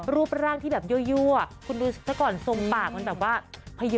รูปร่างที่แบบยั่วคุณดูซะก่อนทรงปากมันแบบว่า